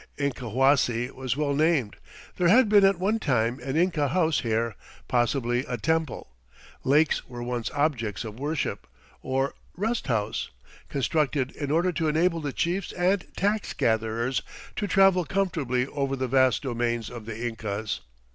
Incahuasi was well named; there had been at one time an Inca house here, possibly a temple lakes were once objects of worship or rest house, constructed in order to enable the chiefs and tax gatherers to travel comfortably over the vast domains of the Incas.